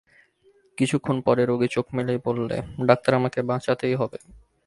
কিছুক্ষণ পরে রোগী চোখ মেলেই বললে, ডাক্তার, আমাকে বাঁচাতেই হবে।